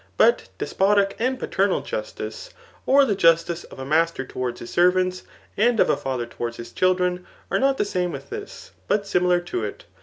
But despotic and paternal justice []or the justice of a master towards his servants, and of a father towards his children,] are not the same witli this, but similar to it.